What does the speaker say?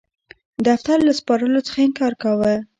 دفتر له سپارلو څخه انکار کاوه.